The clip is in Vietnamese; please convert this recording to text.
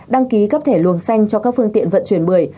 đăng ký cấp thẻ luồng xanh cho các phương tiện vận chuyển bưởi